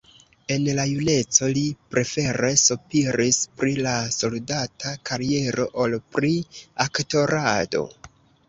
En la juneco li prefere sopiris pri la soldata kariero ol pri aktorado.